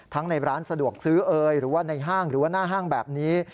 ในร้านสะดวกซื้อเอ่ยหรือว่าในห้างหรือว่าหน้าห้างแบบนี้